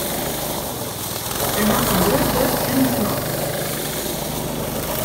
Hy hat in grut burd en in snor.